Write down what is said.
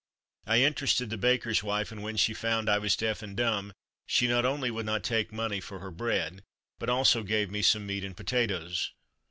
I interested the baker's wife, and when she found I was deaf and dumb, she not only would not take money for her bread, but also gave me some meat and potatoes.